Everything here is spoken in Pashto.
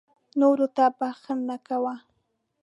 نورو ته بښنه کوه .